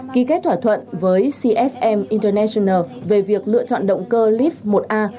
ký kết thỏa thuận với cfm international về việc lựa chọn động cơ leaf một a